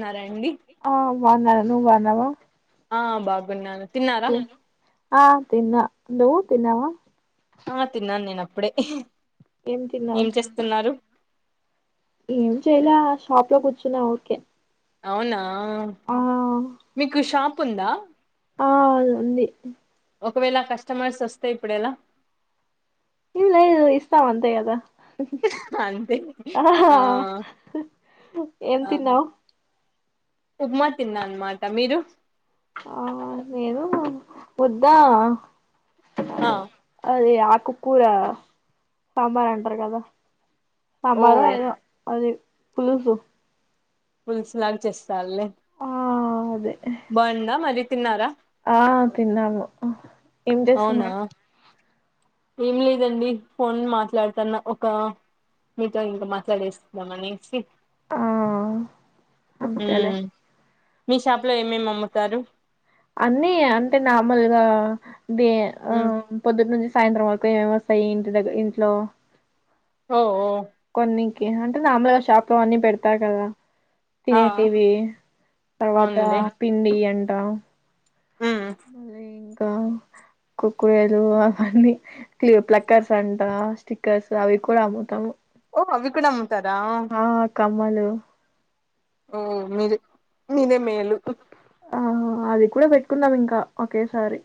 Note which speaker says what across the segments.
Speaker 1: న్నారా అండి
Speaker 2: ఆ బాగున్నాను నువ్వు బాగున్నావా
Speaker 1: ఆ బాగున్నాను తిన్నారా
Speaker 2: ఆ తిన్నా నువ్వు తిన్నావా
Speaker 1: ఆ తిన్నాను నేను అప్పుడే
Speaker 2: ఏం తిన్నావ్ ఏం చేయలే షాప్ లో కూర్చున్నా ఉరికే
Speaker 1: అవునా మీకు షాప్ ఉందా
Speaker 2: ఆ ఉంది
Speaker 1: ఒకవేళ కస్టమర్స్ వస్తే ఇప్పుడు ఎలా
Speaker 2: లేదులే ఇస్తాం అంతే కదా
Speaker 1: అంతే
Speaker 2: ఆహ
Speaker 1: ఆ
Speaker 2: ఏం
Speaker 1: ఆ
Speaker 2: తిన్నావు
Speaker 1: ఉప్మా తిన్నా అన్నమాట మీరు
Speaker 2: ఆ నేను ముద్ద
Speaker 1: ఆ
Speaker 2: అవి ఆక్ ఆకుకూర సాంబార్ అంటారు కదా
Speaker 1: ఓ
Speaker 2: సాంబారు ఎదో అది పులుసు
Speaker 1: పులుసు లాగా చేస్తాలే
Speaker 2: ఆ అదే
Speaker 1: బాగుందా మరి తిన్నారా,
Speaker 2: ఆ తిన్నాము ఏం
Speaker 1: అవునా
Speaker 2: చేస్తున్నావ్
Speaker 1: ఏం లేదండి ఫోన్ మాట్లాడతాన్న ఒక మీతో ఇంకా మాట్లాడేస్తున్నాను అనేసి
Speaker 2: ఆ అంతేలే
Speaker 1: ఉమ్. మీ షాప్ లో ఏమేమి అమ్ముతారు
Speaker 2: అన్నీ అంటే నార్మల్గా దే ఆ
Speaker 1: ఉమ్.
Speaker 2: పొద్దున తీస్ సాయంత్రం వరకు ఏమేమి వస్తాయి ఇంటి దగ్గర ఇంట్లో
Speaker 1: ఓ ఓ
Speaker 2: ఓకే అంటే మామూలుగా షాప్ లో అన్నీ పెడతారు కదా
Speaker 1: ఆ
Speaker 2: తినేటివి తర్వాత
Speaker 1: అవునులే
Speaker 2: పిండి అంటా
Speaker 1: ఉమ్.
Speaker 2: మళ్ళీ ఇంకా కురుకురేలు అవన్నీ ప్లక్కర్స్ అంట స్టిక్కర్స్ అవి కూడా అమ్ముతాము
Speaker 1: ఓ అవి కూడా అమ్ముతారా
Speaker 2: ఆ కమ్మలు
Speaker 1: ఓ మీరి మీరే మేలు
Speaker 2: అవును అది కూడా పెట్టుకున్నాం ఇంకా ఒకేసారి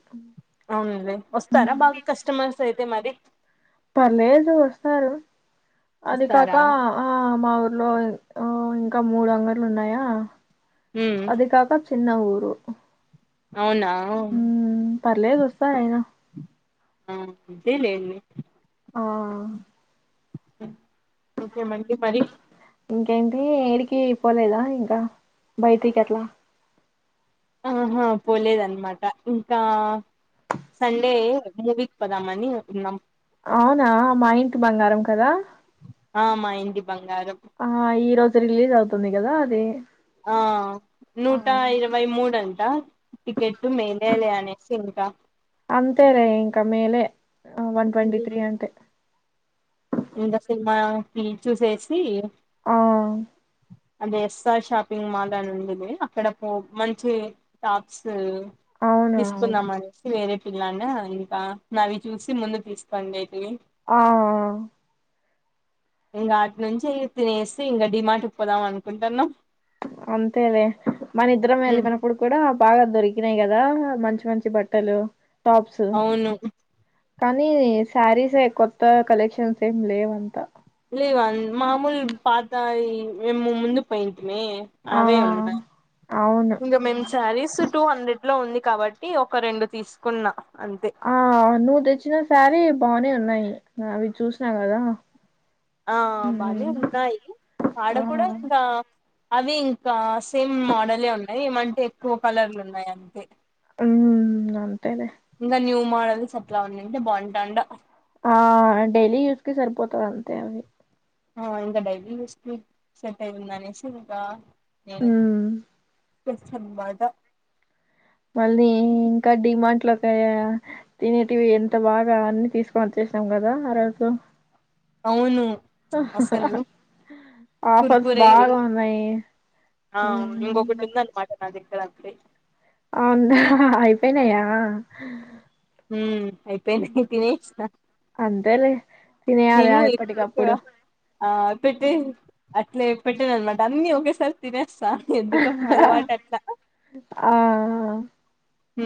Speaker 1: అవునండి
Speaker 2: హ్మ్.
Speaker 1: వస్తారా బాగా కస్టమర్స్ అయితే మరి
Speaker 2: పర్లేదు వస్తారు అది కాక
Speaker 1: వస్తారా
Speaker 2: ఆ మా ఊరు లో ఆ ఇంకా మూడు అంగళ్ళు ఉన్నాయా
Speaker 1: ఉమ్
Speaker 2: అది కాక చిన్న ఊరు
Speaker 1: అవునా
Speaker 2: మ్మ్ పర్లేదు వస్తారు అయినా
Speaker 1: ఆ అంతే లెండి
Speaker 2: ఆ
Speaker 1: ఓకే అండీ మరి
Speaker 2: ఇంకేంటి ఏడికి పోలేదా ఇంకా బయటికి అట్లా
Speaker 1: ఆహా పోలేదన్నమాట ఇంకా సండే మూవికి పోదామ్మని అనుకున్నాం
Speaker 2: అవునా మా ఇంటి బంగారం కదా
Speaker 1: ఆ మా ఇంటి బంగారం
Speaker 2: ఆ ఈరోజు రిలీజ్ అవుతుంది కదా అది
Speaker 1: ఆ
Speaker 2: ఆ
Speaker 1: నూటా ఇరవై మూడు అంటా టికెట్ మే లే అనేసి ఇంకా
Speaker 2: అంతేరే ఇంకా మేలే వన్ ట్వంటీ త్రీ అంటే
Speaker 1: ఇంకా సినిమాకిి చూసేసి
Speaker 2: ఆ
Speaker 1: అదే S R shopping mall అని ఉండది అక్కడ పో మంచి టాప్స్
Speaker 2: అవును అవును
Speaker 1: తీసుకున్నామానేసి వేరే పిల్లానా ఇంకా అవి చూసి ముందు తీసుకోండి అయితే
Speaker 2: ఆఓ
Speaker 1: ఇంకా అటు నుంచి తినేసి ఇంకా డిమాటికి పోదాం అనుకుంటున్నాము
Speaker 2: అంతేలే మన ఇద్దరం
Speaker 1: ఉమ్
Speaker 2: మేలీనాప్పుడు కూడా బాగా దొరికినాయి కదా మంచి మంచి బట్టలు టాప్స్
Speaker 1: అవును
Speaker 2: కానీ శారీస్ కొత్త కలెక్షన్స్ ఏం లేవంతా
Speaker 1: లేవా మామూలు పాతా ముందు పై
Speaker 2: ఆ
Speaker 1: అవే ఉన్నాయి
Speaker 2: అవును
Speaker 1: ఇంక మేము శారీస్ టూ హండ్రెడ్ లో ఉంది కాబట్టి ఒక రెండు తీసుకున్నా అంతే
Speaker 2: ఆ నువ్వు తెచ్చిన సారీ బానే ఉన్నాయి అవి చూసినా కదా
Speaker 1: ఆ బానే ఉన్నాయి ఆడ
Speaker 2: ఆ
Speaker 1: కూడా ఇంకా అవి ఇంకా సేమ్ మోడలే ఉన్నాయి ఏమంటే ఎక్కువ కలర్లు ఉన్నాయి అంతే
Speaker 2: ఉ అంతేలే
Speaker 1: ఇంకా న్యూ మోడల్స్ అట్లా ఉన్నాంటే బోటటాండా
Speaker 2: ఆ డైలీ యూస్ కి సరిపోతాయీ అంతే అవి
Speaker 1: ఆ ఇంకా డైలీ ఉస్ కి సెట్ అయిందానేసేందికా ఉ
Speaker 2: ఉమ్
Speaker 1: కుంచబడా
Speaker 2: మళ్ళీ ఇంకా డిమాంట్ లో ఒక తినేటివి ఎంత బాగా అన్ని తీసుకొనిచ్చ కుని వచ్చాము కదా ఆరోజు
Speaker 1: అవును అసలు
Speaker 2: ఆ ఆఫర్స్
Speaker 1: కుర్కురే
Speaker 2: బాగా ఉన్నాయి
Speaker 1: వే
Speaker 2: అవునా అయిపోయినాయా
Speaker 1: ఉమ్ అయిపోయినాయి తినేసిన
Speaker 2: అంతేలే తినేయాలి
Speaker 1: నేను ఇ
Speaker 2: ఎప్పటికప్పుడు
Speaker 1: ఆ పెట్ ప్లేట్ పెట్టేన అన్నమాట అన్ని ఒక్కసారి తినే సా ఎందుకు అలవాటు అట్లా
Speaker 2: ఆ
Speaker 1: ఉ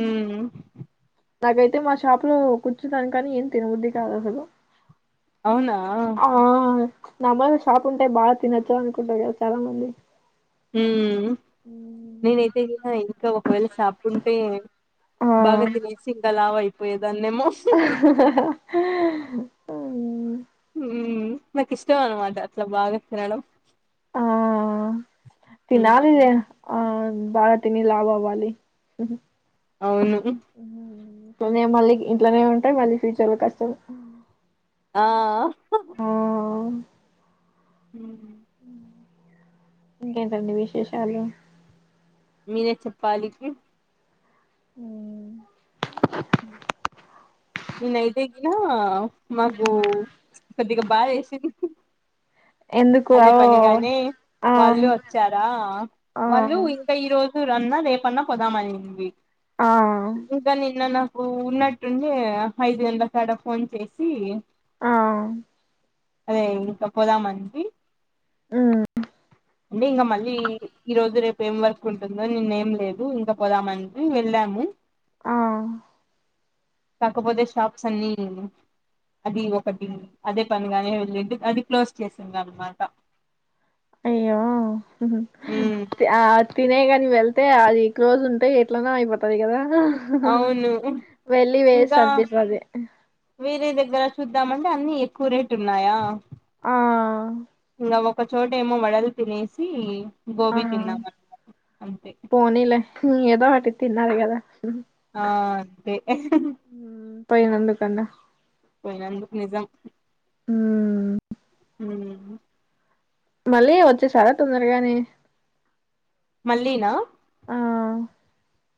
Speaker 2: నాకైతే మా షాపు లో కూర్చున్నాను కానీ ఏం తినవుద్ది కాదు అసలు
Speaker 1: అవునా
Speaker 2: నమల షాప్ ఉంటే బా తినచ్చ అనుకుంటరుగా చాలా మంది
Speaker 1: ఉ నేనైతే ఇంక ఇంకా ఒకవేళ షాపుంటే బాగా తినేసి ఇంక లావయ్
Speaker 2: ఊ
Speaker 1: ఊ నాకు ఇష్టం అన్నమాట అట్లా బాగ తినడం
Speaker 2: ఆ తినాలి
Speaker 1: హ్మ్
Speaker 2: జన్స్ ఆ బాగా తిని లావవాలీ ఉ
Speaker 1: అవును
Speaker 2: ఇంట్లనే మళ్ళీ ఇంట్లనే ఉంటే మళ్ళీ ఫ్యూచర్ ల కష్టం
Speaker 1: ఆ
Speaker 2: ఓ
Speaker 1: ఊ
Speaker 2: ఇకేంటండి విశేషాలు
Speaker 1: మీరే చెప్పాలి
Speaker 2: ఊ
Speaker 1: ని నైటైది గా మగూ కొదిగా బా వేసింది
Speaker 2: ఎందుకు ఓ
Speaker 1: అదే పని గాని
Speaker 2: ఆ
Speaker 1: వాళ్ళు వచ్చారా
Speaker 2: ఆ
Speaker 1: వాళ్ళు ఇంకా ఈరోజు తూరన్నా రేపన్న పోదామనింది
Speaker 2: ఆ
Speaker 1: ఇంకా నిన్న నా ఊ ఉన్నట్టుండే ఐదెండ్ల కాడ ఫోన్ చేసి
Speaker 2: ఆ
Speaker 1: అదే ఇంక పోదామంది
Speaker 2: ఊ
Speaker 1: అంటే ఇంకా మళ్ళీ ఈ రోజు రేపు ఏం వర్క్ ఉంటుందో నిన్నేం లేదు ఇంక పోదామనింది వెళ్ళా అము
Speaker 2: ఆ
Speaker 1: కాకపోతే షాప్స్ అన్నీ అది ఒకటి అదే పనిగానే వెళ్ళి అది క్లోజ్ చేసిండ్రనమాట
Speaker 2: అయ్యో తే ఆద్ తినే గాని వెళ్తే అది క్లోజ్ ఉంటాయి ఎట్లనో అయిపోతది కదా
Speaker 1: అవును
Speaker 2: వెళ్ళి వేస్ట్
Speaker 1: ఇంకా
Speaker 2: అనిపిస్తది
Speaker 1: వేరే దగ్గర చూద్దామంటే అన్ని ఎక్కువ రేటు ఉన్నాయా
Speaker 2: ఆ
Speaker 1: అవి ఒకచోటేమో వడలు తినేసి
Speaker 2: ఆ
Speaker 1: గోబీ తిన్నాం అన్నమాట అంతే
Speaker 2: పోనీలే ఏదో ఆటి తిన్నారు కదా
Speaker 1: ఆ అంతే
Speaker 2: పైనందుకన్న
Speaker 1: పోయినందుకు నిజం
Speaker 2: ఊ
Speaker 1: ఊ
Speaker 2: మళ్ళీ వచ్చేసారా తొందరగానే
Speaker 1: మళ్లి నా
Speaker 2: ఆ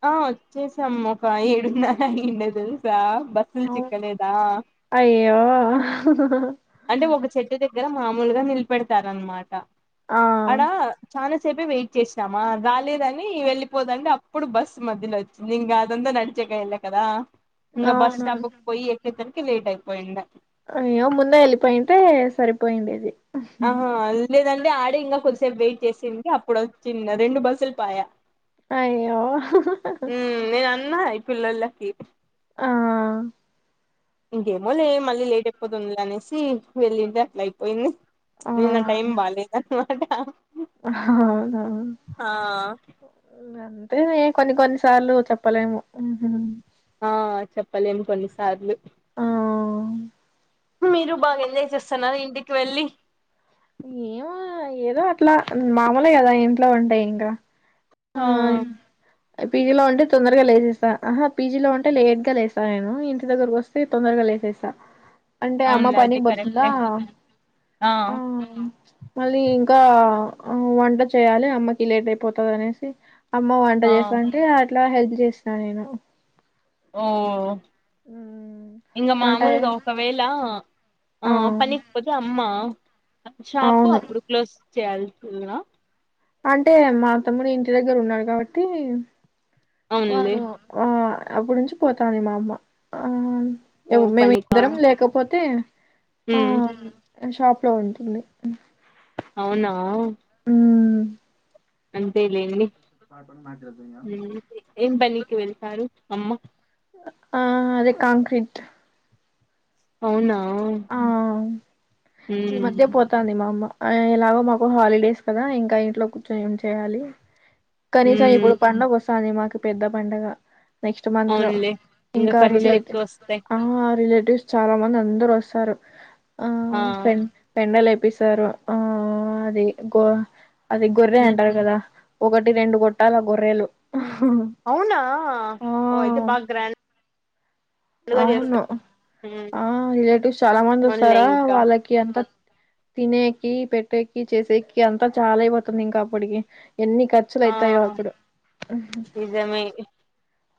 Speaker 1: ఆ వచ్చేసాము ఒక ఏడున్నర అయ్యుండ తెలుసా బస్సుల్
Speaker 2: అవు
Speaker 1: చికలేదా
Speaker 2: అయ్యో
Speaker 1: అంటే ఒక చెట్టు దగ్గర మామూలుగా నిలపెడతారనమాట
Speaker 2: ఆ
Speaker 1: అడ చాల చెప్పి వెయిట్ చేసినామా రాలేదని వెళ్ళిపోదండి అప్పుడు బస్సు మధ్యలో వచ్చింది ఇంకా అదంతా నడిచి వెళ్ళ కదా ఇంకా బస్
Speaker 2: అవును
Speaker 1: స్టాపుకి పోయి ఎక్కి తరకి లేట్ అయిపోయింద
Speaker 2: అయ్యో ముందే వెళ్ళిపోయింటే సరిపోయిండేది
Speaker 1: ఆహా లేదండి ఆడే ఇంకా కొద్దిసేపు వెయిట్ చేసింటే అప్పుడు వచ్చింది రెండు బస్సులు పాయా
Speaker 2: అయ్యో
Speaker 1: న్నా పిల్లలకి
Speaker 2: ఆ
Speaker 1: ఇంకేమో లే మళ్ళీ లేట్ అయిపోతుంది లే అనేసి వెళ్ళింటే అట్లా అయిపోయింది నిన్న టైమ్ బాలేదనమాట
Speaker 2: అవున
Speaker 1: ఆ
Speaker 2: అదే కొన్ని కొన్ని సార్లు చెప్పలేము
Speaker 1: ఆ చెప్పలేం కొన్నిసార్లు
Speaker 2: ఆ
Speaker 1: మీరు బాగా ఎంజాయ్ చేస్తున్నార ఇంటికి వెళ్ళి
Speaker 2: ఏమో ఏదో అట్లా మామూలే కదా ఇంట్లో ఉంటే ఇంకా
Speaker 1: ఆ
Speaker 2: పీజీలో ఉంటే తొందరగా లేసేస్త ఆహా పీజీలో ఉంటే లేట్గా లేస్తాను నేను ఇంటి దగ్గరకు వస్తే తొందరగా లే లేసేస్త అంటే అమ్మ
Speaker 1: అవునులే అది
Speaker 2: పనికి పోతుందా
Speaker 1: కరెక్టే
Speaker 2: ఆ మళ్ళీ ఇంకా వంట చేయాలి అమ్మకి లేట్ అయిపోతది అనేసి అమ్మ వంట
Speaker 1: ఆ
Speaker 2: చేసాంటే అట్లా హెల్ప్ చేస్తా నేను
Speaker 1: ఓ ఇంగ
Speaker 2: వంట
Speaker 1: మామూలుగా ఒకవేళ ఆ పనికి పోతే అమ్మ షాపు
Speaker 2: అవును
Speaker 1: అప్పుడు క్లోజ్ చేయాలి అ
Speaker 2: అంటే మా తమ్ముడు ఇంటి దగ్గర ఉన్నాడు కాబట్టి
Speaker 1: అవునులే
Speaker 2: వాడు ఆ అప్పుడు నుంచి పోతాంది మా అమ్మ
Speaker 1: ఓ
Speaker 2: ఆ
Speaker 1: పనికా
Speaker 2: మేమిద్దరం లేకపోతే ఆ
Speaker 1: ఉమ్
Speaker 2: షాప్ లో ఉంటుంది
Speaker 1: అవునా
Speaker 2: హ్మ్
Speaker 1: అంతే లేండి ఏం పనికి వెళ్తారు అమ్మ
Speaker 2: ఆ అదే కాంక్రీట్
Speaker 1: అవునా
Speaker 2: ఆ ఈ
Speaker 1: ఉమ్
Speaker 2: మధ్య పోతంది మా అమ్మ ఇలాగో మాకు హాలిడేస్ కదా ఇంకా ఇంట్లో కూర్చొని ఏం చేయాలి కనీసం
Speaker 1: ఉమ్
Speaker 2: ఇప్పుడు పడుగ వస్తది మాకు పెద్ద పండగ నెక్స్ట్ మంత్ లో
Speaker 1: అవునులే ఇంగ
Speaker 2: ఇంకా
Speaker 1: ఖర్చులు ఎక్కువ
Speaker 2: రిలేటివ్
Speaker 1: వస్తాయి
Speaker 2: ఆ రిలేటివ్స్ చాలా మంది అందరు వస్తారు ఆ పె పెండలు వేపిస్తారు ఆ అది గో అది గొర్రె
Speaker 1: ఉమ్
Speaker 2: అంటారు కదా ఒకటి రెండు గొట్టాల గొర్రెలు
Speaker 1: అవునా
Speaker 2: ఆ
Speaker 1: ఓ ఇయితే బా గ్రాండ్ గా
Speaker 2: అవును
Speaker 1: చేస్తారు ఉమ్
Speaker 2: ఆ రిలేటివ్స్ చాలా మంది
Speaker 1: అవునులే
Speaker 2: వస్తారా
Speaker 1: ఇంకా
Speaker 2: వాళ్ళకి అంత తినేకి పెట్టేకి చేసేకి అంతా చాలా అయిపోతుంది ఇంకా అప్పటికి ఎన్ని ఖర్చులు
Speaker 1: ఆ
Speaker 2: అయితాయో అప్పుడు
Speaker 1: నిజమే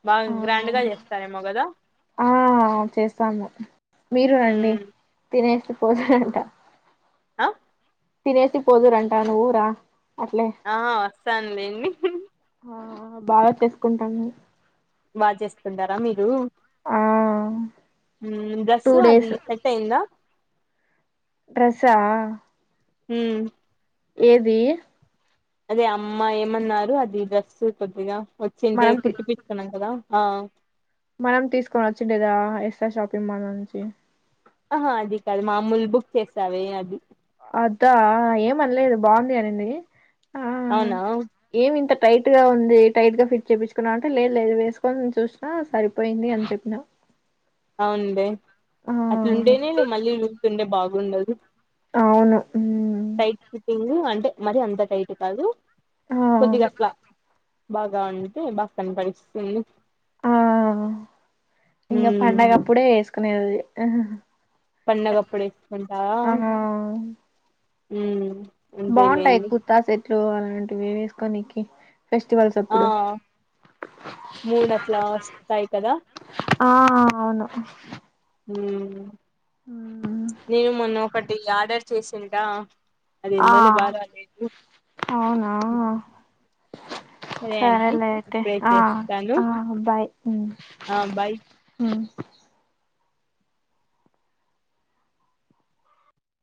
Speaker 1: బాగా గ్రాండ్ గా చేస్తారేమో కదా
Speaker 2: ఆ చేస్తాము మీరు రండి
Speaker 1: ఉమ్
Speaker 2: తినేసి పోధురంట
Speaker 1: ఆ
Speaker 2: తినేసి పోదురంటా నువు రా అట్లే
Speaker 1: ఆ వస్తానులేండి హు
Speaker 2: ఆ బాగా చేసుకుంటా నేను
Speaker 1: బాచేస్తుంటారా మీరు
Speaker 2: ఆ
Speaker 1: ఉమ్
Speaker 2: టూ
Speaker 1: డ్రెస్సు అది
Speaker 2: డేస్
Speaker 1: సెట్ అయ్యిందా
Speaker 2: డ్రస్సా
Speaker 1: ఉ
Speaker 2: ఏది
Speaker 1: అదే అమ్మ ఏమన్నారు అది డ్రస్ కొద్దిగా వచ్చింటే
Speaker 2: మనం తీ
Speaker 1: కుట్టి పిచ్చుకున్నాం కదా. ఆ
Speaker 2: మనం తీసుకొని వచ్చిండేదా ఎస్ ఆర్ షాపింగ్ మాల్ నుంచి.
Speaker 1: ఆహా అది కాదు మామూలు బుక్ చేసావే అది
Speaker 2: అదా ఏమన్లేదు బాగుంది అనింది
Speaker 1: అవునా
Speaker 2: టైట్గా ఉంది టైట్గా ఫిట్ చేపిచుకున్నావ్ అంటే లేదు లేదు వేసుకొని చూసినా సరిపోయింది అని చెప్పినా.
Speaker 1: అవున్లే
Speaker 2: ఆ
Speaker 1: అట్లుంటేనే మళ్ళీ లూస్ ఉంటే బాగుండదు.
Speaker 2: అవును ఉమ్
Speaker 1: టైట్ ఫిట్టింగ్ అంటే మరి అంత టైట్ కాదు
Speaker 2: ఆ
Speaker 1: కొద్దిగా అట్లా బాగా ఉంటే బాగ్ కనపడి ఇస్తుంది
Speaker 2: ఆ ఇంగ
Speaker 1: ఉమ్
Speaker 2: పండగప్పుడే యేస్కునేది
Speaker 1: పండగప్పుడు వేసుకుంటా ఉ
Speaker 2: బాగుంటాయి కుర్తా సెట్లు అలాంటివి వేసుకొనికి ఫెస్టివల్స్
Speaker 1: ఆ
Speaker 2: అప్పుడు
Speaker 1: మూడు అట్లా వస్తాయి కదా
Speaker 2: ఆ అవును
Speaker 1: ఉ
Speaker 2: ఉమ్
Speaker 1: నేను మొన్న ఒకటి ఆర్డర్ చేసింటా అది
Speaker 2: ఆ
Speaker 1: ఎందోలే బాగా రాలేదు
Speaker 2: అవునా
Speaker 1: సరే అండి
Speaker 2: సరేలే అయితే
Speaker 1: ఇప్పుడే
Speaker 2: ఆ
Speaker 1: చేస్తాను
Speaker 2: ఆ బాయ్ ఉ
Speaker 1: ఆ బాయ్
Speaker 2: ఉ